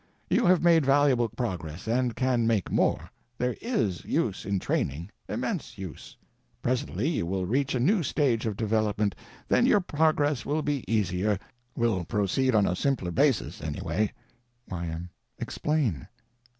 You have made valuable progress and can make more. There _is _use in training. Immense use. Presently you will reach a new stage of development, then your progress will be easier; will proceed on a simpler basis, anyway. Y.M. Explain.